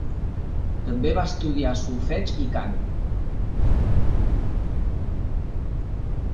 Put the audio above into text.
També va estudiar solfeig i cant.